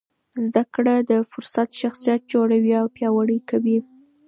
زده کړه د فرد شخصیت جوړوي او پیاوړی کوي.